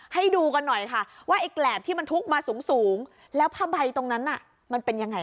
ให้ดูกันหน่อยค่ะว่าเรื่องของตรงนั้นมันเป็นยังไง